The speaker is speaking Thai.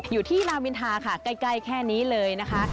อยู่ที่ลามินทาค่ะใกล้แค่นี้เลยนะคะ